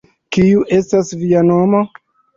Kiu estas via nomo?